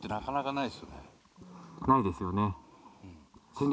ないですよね。